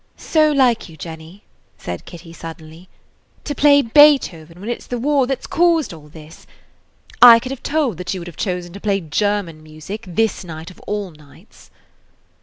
"So you like Jenny," said Kitty, suddenly, "to play Beethoven when it 's the war that 's caused all this. I could have told that you would have chosen to play German music this night of all nights."